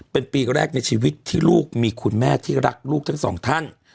เป็นปีแรกในชีวิตที่ลูกมีคุณแม่ที่รักลูกทั้งสองท่าน